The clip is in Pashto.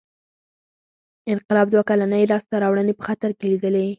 انقلاب دوه کلنۍ لاسته راوړنې په خطر کې لیدې.